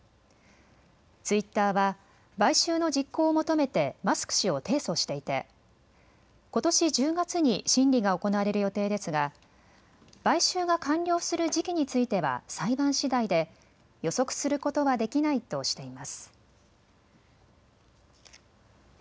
ツイッターは買収の実行を求めてマスク氏を提訴していてことし１０月に審理が行われる予定ですが買収が完了する時期については裁判しだいで予測することはできないとしています。